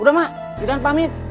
udah mak idan pamit